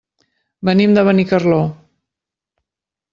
Venim de Benicarló.